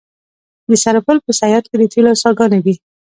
د سرپل په صیاد کې د تیلو څاګانې دي.